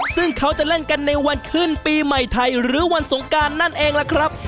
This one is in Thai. ซึ่งเขาจะเล่นกันในวันขึ้นปีใหม่ไทยหรือวันสงการนั่นเองล่ะครับ